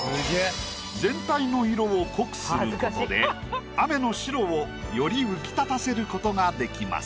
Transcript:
全体の色を濃くすることで雨の白をより浮き立たせることが出来ます。